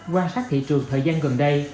quan sát thị trường thời gian gần đây